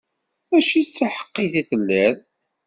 Mačči d taḥeqqit i telliḍ.